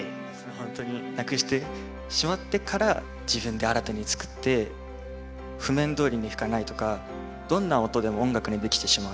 本当になくしてしまってから自分で新たに作って譜面どおりに吹かないとかどんな音でも音楽にできてしまう。